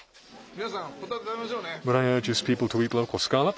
皆さん、ホタテ食べましょうね。